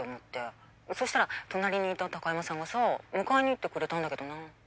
そしたら隣にいた高山さんがさ迎えに行ってくれたんだけどな。